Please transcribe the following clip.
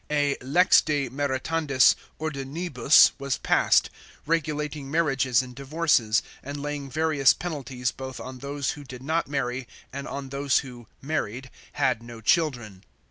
A lex de maritandis ordinibus was passed, regulating marriages and divorces, and laying various penalties both on those who did not marry and on those who, married, had no children.